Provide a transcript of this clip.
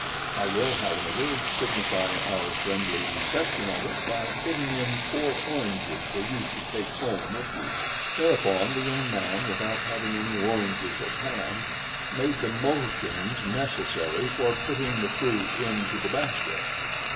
I will, however, signify our friendly reception of it by putting in four oranges for you to take home with you." Thereupon the young man, without having any oranges at hand, made the motions necessary for putting the fruit into the basket.